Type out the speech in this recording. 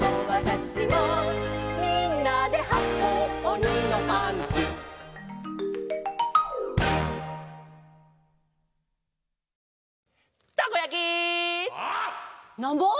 「みんなではこうおにのパンツ」「たこやき」「なんぼ？」